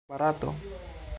Barato?